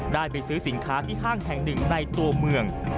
ได้ไปซื้อสินค้าที่ห้างแห่งหนึ่งในตัวเมือง